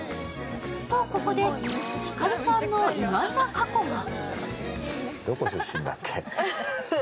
とここで、ひかりちゃんの意外な過去が。